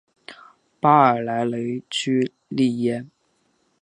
巴尔莱雷居利耶。